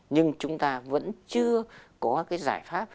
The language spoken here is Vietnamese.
nhưng chúng ta vẫn chưa có cái giải pháp